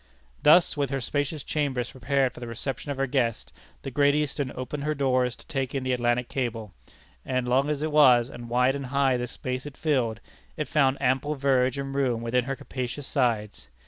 Thus with her spacious chambers prepared for the reception of her guest, the Great Eastern opened her doors to take in the Atlantic cable; and long as it was, and wide and high the space it filled, it found ample verge and room within her capacious sides.